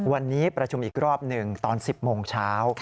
วันนี้ประชุมอีกรอบหนึ่งตอน๑๐โมงเช้า